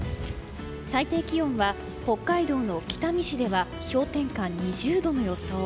最低気温は北海道の北見市では氷点下２０度の予想。